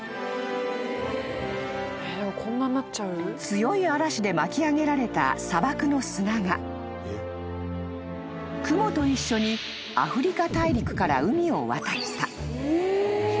［強い嵐で巻き上げられた砂漠の砂が雲と一緒にアフリカ大陸から海を渡った］